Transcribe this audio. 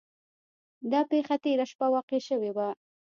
دا پیښه تیره شپه واقع شوې وه.